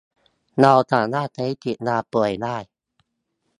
เราสามารถใช้สิทธิ์ลาป่วยได้